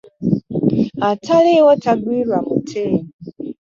Ataliiwo tagwirwa muti.